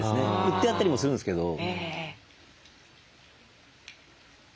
売ってあったりもするんですけど。